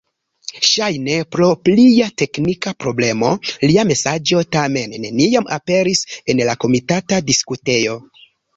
Ŝajne pro plia teknika problemo lia mesaĝo tamen neniam aperis en la komitata diskutejo.